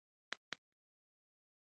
ښه پلورونکی له زړه مرسته کوي.